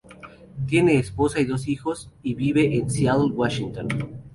Tiene esposa y dos hijos y vive en Seattle, Washington.